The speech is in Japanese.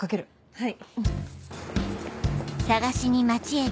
はい。